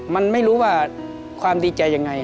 มันไม่รู้ว่าความดีใจยังไง